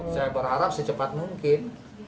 saya berharap secepat mungkin